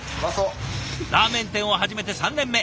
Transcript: ラーメン店を始めて３年目。